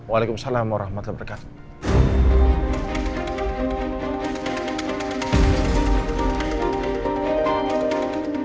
waalaikumsalam warahmatullahi wabarakatuh